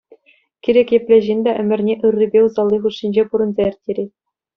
Кирек епле ҫын та ӗмӗрне ыррипе усалли хушшинче пурӑнса ирттерет.